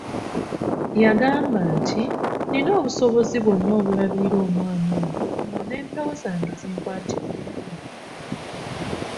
Yabagamba nti, "Nnina obusobozi bwonna obulabirira omwana ono nga n'empewo zange zinkwatiddeko."